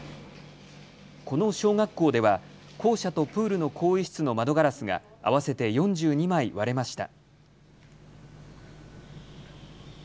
この小学校では校舎とプールの更衣室の窓ガラスが合わせて４２枚割れました。